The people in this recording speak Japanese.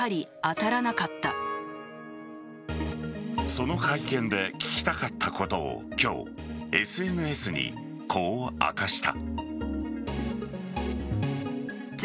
その会見で聞きたかったことを今日ＳＮＳにこう明かした。